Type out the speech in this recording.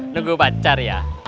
nunggu pacar ya